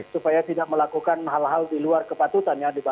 supaya tidak melakukan hal hal di luar kepatutannya